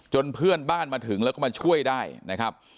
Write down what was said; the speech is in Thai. เพื่อนบ้านมาถึงแล้วก็มาช่วยได้นะครับ